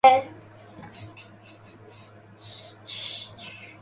瀼河乡是中国河南省平顶山市鲁山县下辖的一个乡。